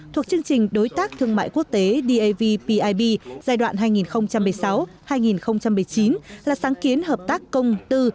thuộc chương trình đối tác thương mại quốc tế david giai đoạn hai nghìn một mươi sáu hai nghìn một mươi chín là sáng kiến hợp tác công tư